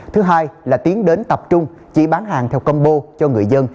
thứ hai là tiến đến tập trung chỉ bán hàng theo combo cho người dân